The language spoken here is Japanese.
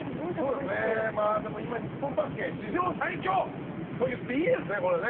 今、日本バスケ史上最強と言っていいですねこれ。